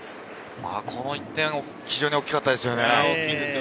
この１点が非常に大きかったですね。